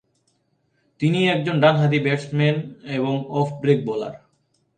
তিনি একজন ডানহাতি ব্যাটসম্যান এবং অফ ব্রেক বোলার।